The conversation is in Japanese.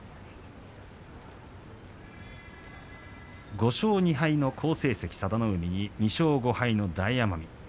５勝２敗の好成績、佐田の海に２勝５敗の大奄美。